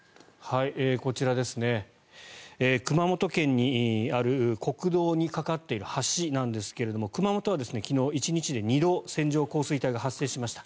こちら、熊本県にある国道に架かっている橋ですが熊本は昨日１日で２度線状降水帯が発生しました。